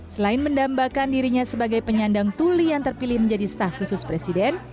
selain mendambakan dirinya sebagai penyandang tuli yang terpilih menjadi staf khusus presiden